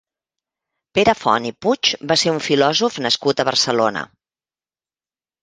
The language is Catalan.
Pere Font i Puig va ser un filòsof nascut a Barcelona.